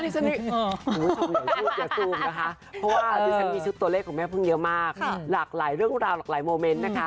เพราะว่าดิฉันมีชุดตัวเลขของแม่เพิ่งเยอะมากหลากหลายเรื่องราวหลากหลายโมเมนต์นะคะ